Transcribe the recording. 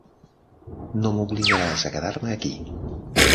No m'obligaràs a quedar-me aquí.